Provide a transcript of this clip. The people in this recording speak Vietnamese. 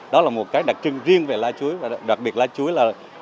đó là một cái đặc trưng riêng về lá chuối và đặc biệt lá chuối là